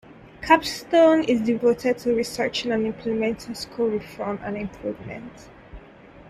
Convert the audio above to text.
Capstone is devoted to researching and implementing school reform and improvement.